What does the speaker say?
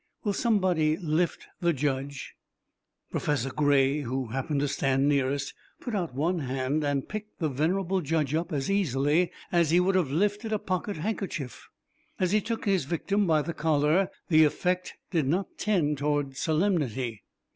Will somebody lift the Judge?" Professor Gray, who happened to stand nearest, put out one hand and picked the venerable Judge up as easily as he would have lifted a pocket handkerchief. As he took his victim by the collar, the effect did not tend toward solemnity.